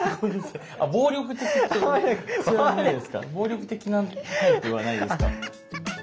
暴力的なタイプはないですか。